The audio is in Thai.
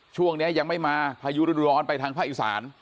ช่วงนี้ยังไม่มาพายุรุ่นร้อนไปทางภาคอีสาน